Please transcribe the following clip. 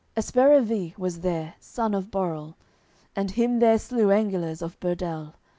Esperveris was there, son of Borel, And him there slew Engelers of Burdel.